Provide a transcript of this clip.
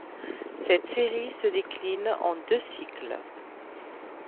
Cette série se décline en deux cycles.